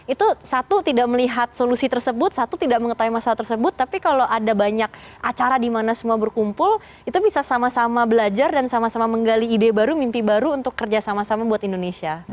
itu satu tidak melihat solusi tersebut satu tidak mengetahui masalah tersebut tapi kalau ada banyak acara di mana semua berkumpul itu bisa sama sama belajar dan sama sama menggali ide baru mimpi baru untuk kerja sama sama buat indonesia